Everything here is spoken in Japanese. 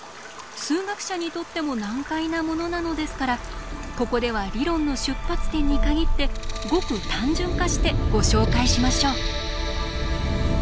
数学者にとっても難解なものなのですからここでは理論の出発点に限ってごく単純化してご紹介しましょう。